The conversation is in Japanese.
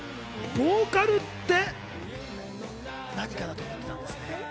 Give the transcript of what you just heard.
ボーカルって、何かだと思ってたんですね。